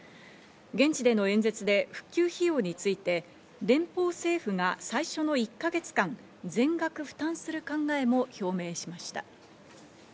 現地での演説で復旧費用について連邦政府が最初の１か月間、全額負担する考えも表明しました。